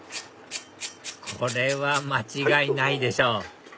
これは間違いないでしょ